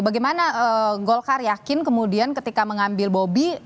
bagaimana golkar yakin kemudian ketika mengambil bobi